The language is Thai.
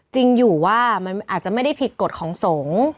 จริงอยู่ว่ามันอาจจะไม่ได้ผิดกฎของสงฆ์